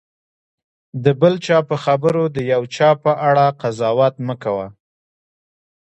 د بل چا په خبرو د یو چا په اړه قضاوت مه کوه.